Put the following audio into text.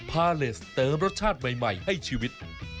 พาเลสเติมรสชาติใหม่ให้ชีวิต